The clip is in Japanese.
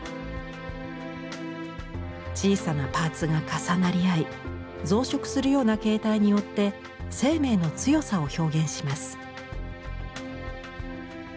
小さなパーツが重なり合い増殖するような形態によって生命の強さを表現します。